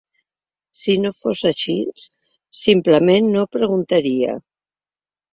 Si no fos així, simplement no preguntaria.